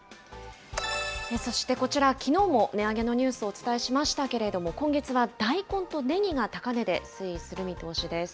そしてこちら、きのうも値上げのニュースをお伝えしましたけれども、今月はだいこんとねぎが高値で推移する見通しです。